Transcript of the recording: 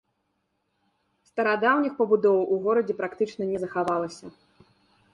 Старадаўніх пабудоў у горадзе практычна не захавалася.